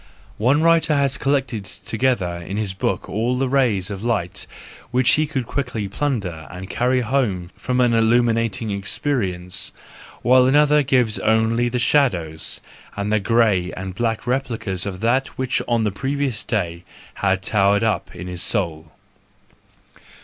One writer has collected together in his book all the rays of light which he could quickly plunder and carry home from an illuminating experience; while another gives only the shadows, and the grey and black replicas of that which on the previous day had towered up in his soul.